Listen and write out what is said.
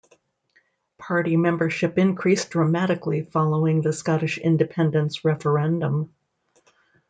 Party membership increased dramatically following the Scottish independence referendum.